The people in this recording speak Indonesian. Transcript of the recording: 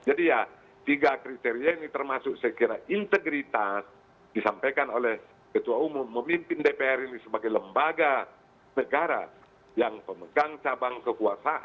jadi ya tiga kriteria ini termasuk sekiranya integritas disampaikan oleh ketua umum memimpin dpr ini sebagai lembaga negara yang pemegang cabang kekuasaan